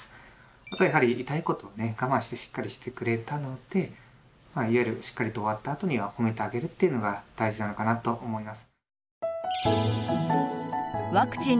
あとやはり痛いことをね我慢してしっかりしてくれたのでいわゆるしっかりと終わったあとには褒めてあげるというのが大事なのかなと思います。